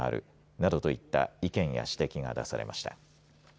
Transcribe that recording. などといった意見や指摘が出されました。